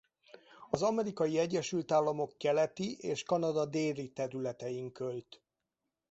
Az Amerikai Egyesült Államok keleti és Kanada déli területein költ.